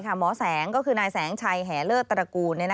หมอแสงก็คือนายแสงชัยแห่เลิศตระกูล